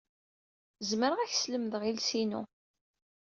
Zemreɣ ad ak-slemdeɣ iles-inu.